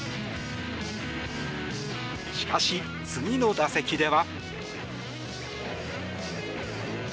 しかし、次の打席では。